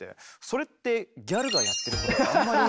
それってギャルがやってることとあんまり。